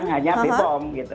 hanya bpom gitu